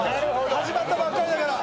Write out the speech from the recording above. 始まったばかりだから。